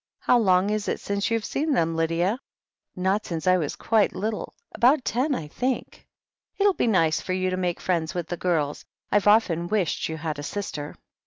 How long is it since you've seen them, Lydia?" "Not since I was quite little — ^about ten, I think." "It'll be nice for you to make friends with the girls. I've often wished you had a sister."